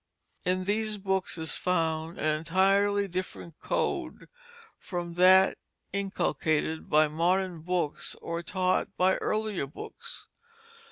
In these books is found an entirely different code from that inculcated by modern books or taught by earlier books.